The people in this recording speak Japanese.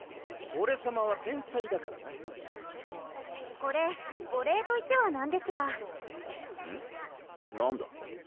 オレさまは天才だからなこれお礼といってはなんですがうん？何だ？